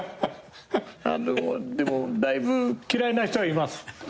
あのうでもだいぶ嫌いな人はいます。